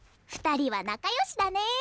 ２人は仲良しだね。